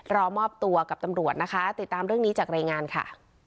รอมอบตัวกับตำรวจนะคะติดตามเรื่องนี้จากรายงานค่ะ